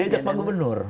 dia ajak pak gubernur